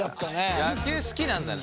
野球好きなんだね。